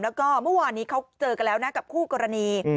แล้วก็เมื่อวานนี้เขาเจอกันแล้วนะกับคู่กรณี